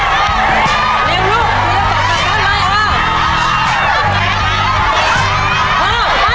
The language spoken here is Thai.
เริ่มลูกมีเวลาสักกันไหมอ้าว